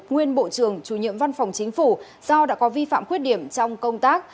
nguyên bộ trưởng chủ nhiệm văn phòng chính phủ do đã có vi phạm khuyết điểm trong công tác